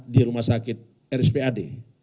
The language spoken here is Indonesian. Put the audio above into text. di rumah sakit rspad